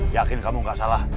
yakin kamu gak salah